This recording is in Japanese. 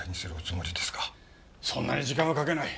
そんなに時間はかけない。